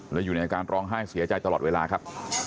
และอยู่ในอาการร้องไห้เสียใจตลอดเวลาครับ